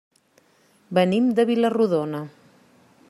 Venim de Vila-rodona.